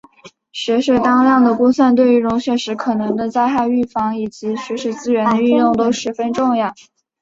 雪水当量的估算对于融雪时可能的灾害预防以及雪水资源的运用都十分重要。